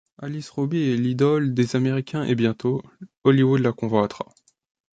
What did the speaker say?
Alys Robi est l'idole des Américains et bientôt, Hollywood la convoitera.